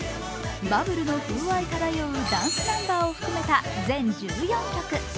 バブルの風合い漂うダンスナンバーを含めた全１４曲。